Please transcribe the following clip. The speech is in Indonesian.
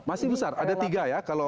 masih besar ada tiga ya